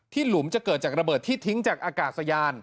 หลุมจะเกิดจากระเบิดที่ทิ้งจากอากาศยาน